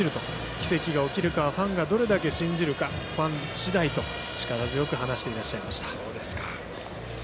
奇跡が起きるかファンがどれだけ信じるか次第と力強く話していらっしゃいました。